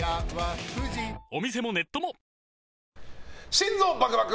心臓バクバク！